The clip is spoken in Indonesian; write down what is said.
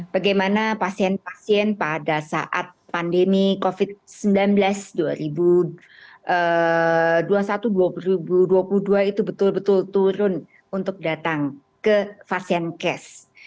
bagaimana pasien pasien pada saat pandemi covid sembilan belas dua ribu dua puluh satu dua ribu dua puluh dua itu betul betul turun untuk datang ke pasien cash